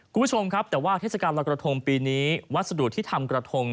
คุณผู้ชมครับแต่ว่าเทศกาลลอยกระทงปีนี้วัสดุที่ทำกระทง